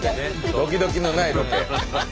ドキドキのないロケ。